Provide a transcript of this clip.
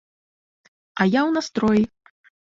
А я ў настроі!